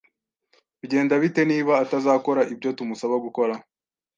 Bigenda bite niba atazakora ibyo tumusaba gukora?